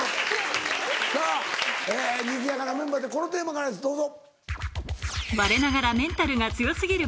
さぁにぎやかなメンバーでこのテーマからですどうぞ。